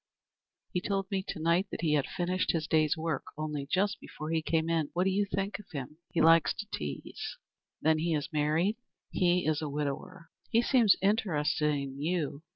He told me to night that he had finished his day's work only just before he came in. What did you think of him? He likes to tease." "Then he is married?" "He is a widower." "He seems interested in you.